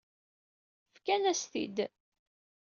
Fkan-as-t-id.